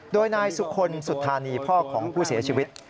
โดยนายสุคลสุธานีพ่อของผู้เสียชีวิต